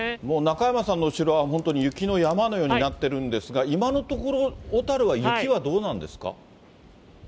もう中山さんの後ろは本当に雪の山のようになってるんですが、今のところ、小樽は雪はどうなんですか。